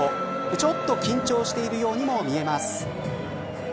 ちょっと緊張しているようにも見えます。